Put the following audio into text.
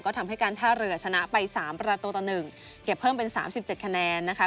ก็ทำให้การท่าเรือชนะไป๓ประตูต่อ๑เก็บเพิ่มเป็น๓๗คะแนนนะคะ